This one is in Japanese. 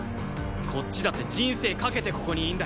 こっちだって人生懸けてここにいんだよ。